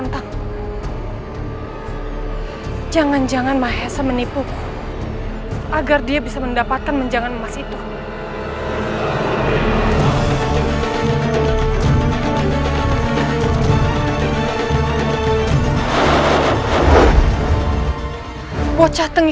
tapi bagaimana ini